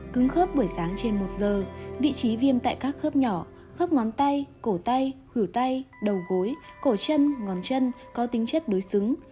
cứng khớp buổi sáng trên một giờ vị trí viêm tại các khớp nhỏ khóc ngón tay cổ tay hửu tay đầu gối cổ chân ngón chân có tính chất đối xứng